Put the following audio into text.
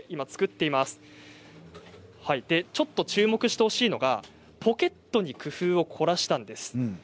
注目してほしいのがポケットに工夫を凝らしたんです。